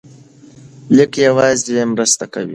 لیک یوازې مرسته کوي.